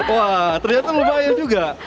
wah ternyata lumayan juga